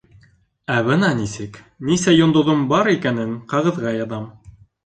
Ә бына нисек: нисә йондоҙом бар икәнен ҡағыҙға яҙам.